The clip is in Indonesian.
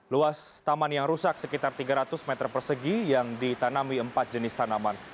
luas taman yang rusak sekitar tiga ratus meter persegi yang ditanami empat jenis tanaman